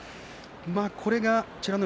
これが美ノ